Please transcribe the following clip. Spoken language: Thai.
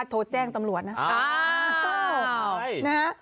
โทรแจ้งตำรวจนะ